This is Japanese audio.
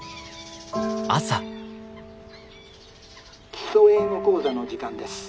「『基礎英語講座』の時間です。